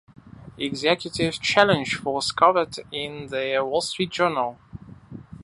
"Executive Challenge" was covered in "The Wall Street Journal".